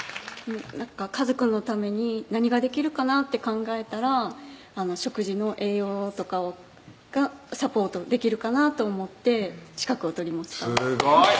かずくんのために何ができるかなって考えたら食事の栄養とかがサポートできるかなと思って資格を取りましたすごい！